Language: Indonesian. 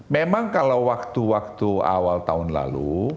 memang kalau waktu waktu awal tahun lalu